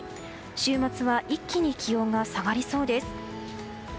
週末は一気に気温が下がりそうです。